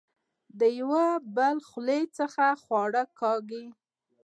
د يو بل خولې څخه خواړۀ کاږي